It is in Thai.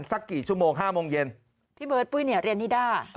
สักกี่ชั่วโมงห้าโมงเย็นพี่เบิร์ดปุ้ยเนี่ยเรียนนิด้า